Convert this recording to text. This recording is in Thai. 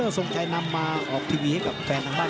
เปรี้ยงครับในแข่งขวา